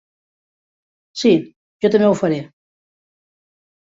Sí, jo també ho faré.